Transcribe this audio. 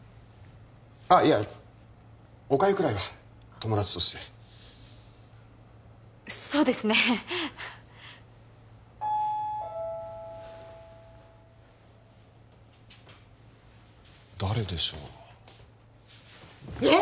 ああいやおかゆくらいは友達としてそうですね誰でしょう？えっ！？